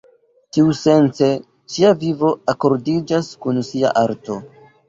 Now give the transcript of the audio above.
Tiusence, ŝia vivo akordiĝas kun ŝia arto.